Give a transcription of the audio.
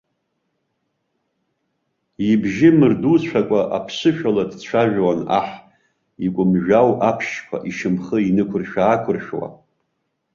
Ибжьы мырдуцәакәа, ԥсышәала дцәажәон аҳ, икәымжәы ау аԥшьқәа ишьамхы инықәыршә-ақәыршәуа.